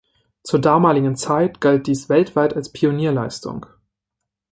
Zur damaligen Zeit galt dies weltweit als Pionierleistung.